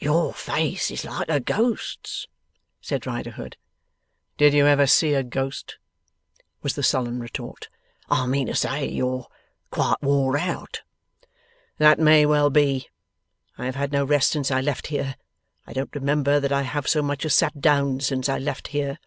'Your face is like a ghost's,' said Riderhood. 'Did you ever see a ghost?' was the sullen retort. 'I mean to say, you're quite wore out.' 'That may well be. I have had no rest since I left here. I don't remember that I have so much as sat down since I left here.